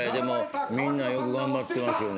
みんなよく頑張ってますよね。